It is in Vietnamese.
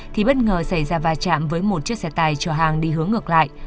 thì bất ngờ xảy ra va chạm với một chiếc xe tài chở hàng đi hướng ngược lại